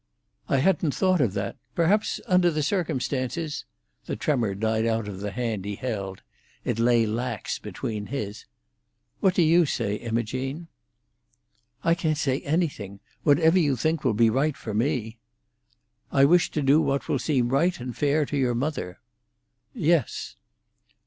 "I hadn't thought of that. Perhaps under the circumstances—" The tremor died out of the hand he held; it lay lax between his. "What do you say, Imogene?" "I can't say anything. Whatever you think will be right—for me." "I wish to do what will seem right and fair to your mother." "Yes."